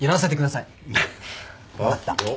分かった。